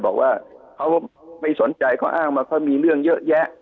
บอกว่าเขาไม่สนใจเขาอ้างว่าเขามีเรื่องเยอะแยะ